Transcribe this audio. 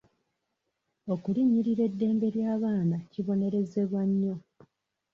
Okulinnyirira eddembe ly'abaana kibonerezebwa nnyo.